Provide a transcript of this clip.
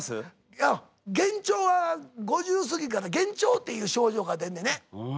いや幻聴は５０過ぎから幻聴っていう症状が出んねんね。え！？